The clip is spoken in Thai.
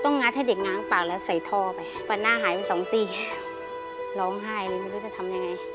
หนูไม่มีพ่อมีแม่แล้วแม่เสียได้๑๐กว่าปี